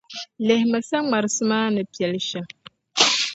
Lihimi saŋmarsi maa ni Piɛl' shɛm.